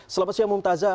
selamat siang mumtazah